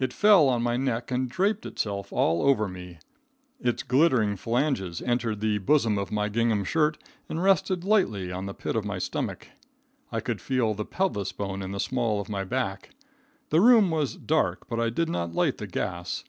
It fell on my neck and draped itself all over me. Its glittering phalanges entered the bosom of my gingham shirt and rested lightly on the pit of my stomach. I could feel the pelvis bone in the small of my back. The room was dark, but I did not light the gas.